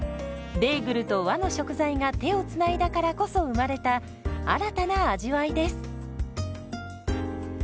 ベーグルと和の食材が手をつないだからこそ生まれた新たな味わいです。